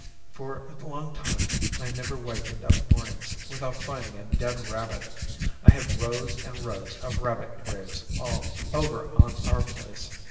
For a long time, I never wakened up mornings without finding a dead rabbit. I have rows and rows of rabbit graves over on our place.